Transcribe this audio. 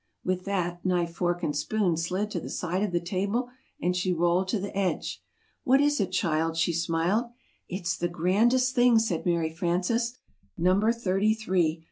With that, Knife, Fork and Spoon slid to the side of the table, and she rolled to the edge. "What is it, child?" she smiled. "It's the grandest thing!" said Mary Frances. [Illustration: Slid to the side of the table.